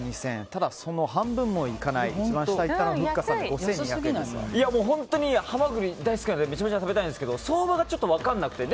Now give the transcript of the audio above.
ただ、その半分もいかない一番下いったのは本当にハマグリ大好きなのでめちゃめちゃ食べたいですけど相場が分からないんすよ。